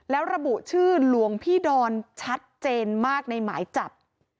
แล้วระบุชื่อหลวงพี่ดอนชัดเจนมากในหมายจับ